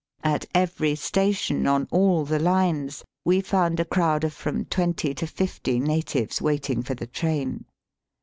At every station on all the lines we found a crowd of from twenty to fifty natives waiting for the train.